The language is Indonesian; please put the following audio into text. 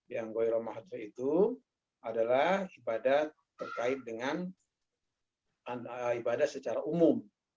yang goiro mahathir itu adalah ibadah terkait dengan ibadah secara umum